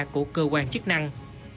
của cơ quan chức năng